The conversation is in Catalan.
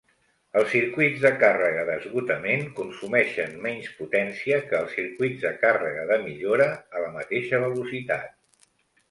Els circuits de càrrega d'esgotament consumeixen menys potència que els circuits de càrrega de millora a la mateixa velocitat.